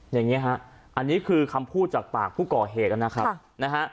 อย่างนี้ฮะอันนี้คือคำพูดจากปากผู้ก่อเหตุนะครับนะฮะ